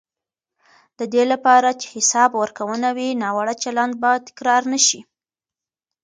د دې لپاره چې حساب ورکونه وي، ناوړه چلند به تکرار نه شي.